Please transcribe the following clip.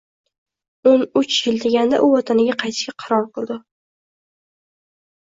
O`n uch yil deganda u vatanga qaytishga qaror qildi